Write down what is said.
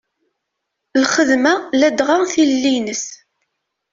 Lxedma ladɣa tilelli-ines.